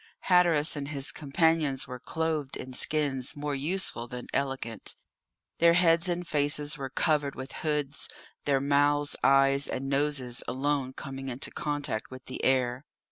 Hatteras and his companions were clothed in skins more useful than elegant. Their heads and faces were covered with hoods, their mouths, eyes, and noses alone coming into contact with the air.